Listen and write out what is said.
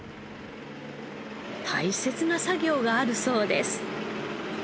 大切な作業があるそうです。